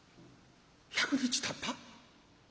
「１００日たった？